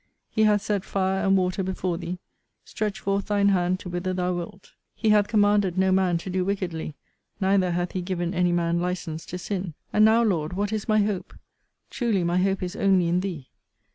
He hath set fire and water before thee: stretch forth thine hand to whither thou wilt. He hath commanded no man to do wickedly: neither hath he given any man license to sin. And now, Lord, what is my hope? Truly my hope is only in thee.